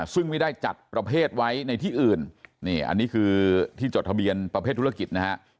ซึ่งไม่ได้จัดประเภทไว้ในที่อื่นนี่อันนี้คือที่จดทะเบียนประเภทธุรกิจนะฮะ